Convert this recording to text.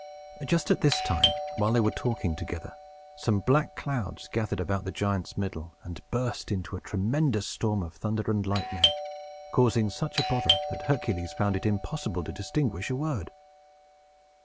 Just at this time, while they were talking together, some black clouds gathered about the giant's middle, and burst into a tremendous storm of thunder and lightning, causing such a pother that Hercules found it impossible to distinguish a word.